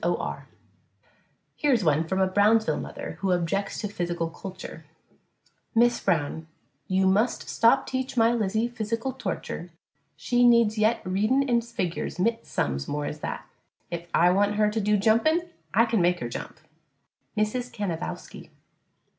O'R Here is one from a Brownsville mother who objects to physical culture: Miss Brown: You must stop teach my Lizzie fisical torture she needs yet readin' an' figors mit sums more as that, if I want her to do jumpin' I kin make her jump. MRS. CANAVOWSKY.